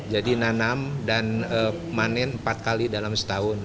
jadi nanam dan panen empat kali dalam setahun